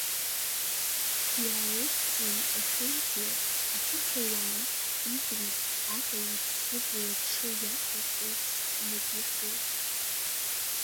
Зиаеттин Ефенди ақыҭауаа Идрис Ага иԥсыбаҩ аҽы иақәырхырц надирбеит.